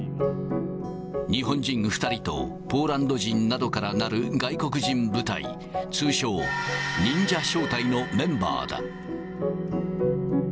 日本人２人とポーランド人などからなる外国人部隊、通称、忍者小隊のメンバーだ。